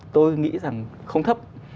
tôi nghĩ rằng không thấp